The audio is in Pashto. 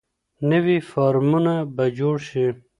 نوي فارمونه به جوړ شي.